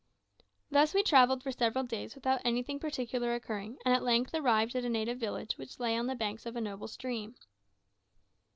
Thus we travelled for several days without anything particular occurring, and at length arrived at a native village which lay on the banks of a noble stream.